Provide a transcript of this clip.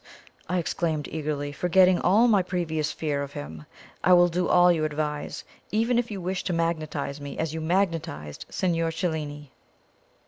I exclaimed eagerly, forgetting all my previous fear of him; "I will do all you advise, even if you wish to magnetize me as you magnetized Signor Cellini!"